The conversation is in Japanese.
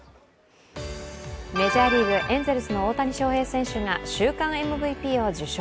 メジャーリーグ、エンゼルスの大谷翔平選手が週間ＭＶＰを受賞。